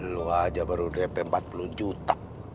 lu aja baru dapet empat puluh juta